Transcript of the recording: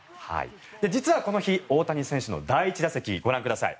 実はこの日、大谷選手の第１打席ご覧ください。